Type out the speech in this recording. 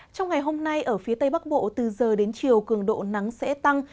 trong ngày hôm nay ở phía tây bắc bộ từ giờ đến chiều cường độ nắng sẽ tăng